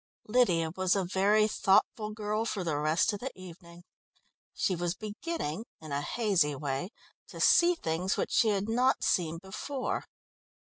Lydia was a very thoughtful girl for the rest of the evening; she was beginning in a hazy way to see things which she had not seen before.